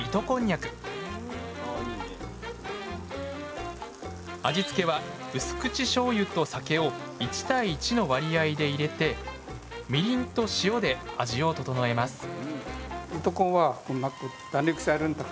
こんにゃく味付けは薄口しょうゆと酒を１対１の割合で入れてみりんと塩で味を調えます